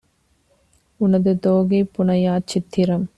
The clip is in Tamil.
உனது தோகை புனையாச் சித்திரம்